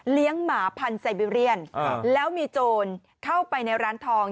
เลี้ยงหมาพันธุ์ไซเบียเรียนแล้วมีโจรเข้าไปในร้านทอง